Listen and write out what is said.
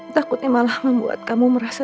takutnya malah membuat kamu merasa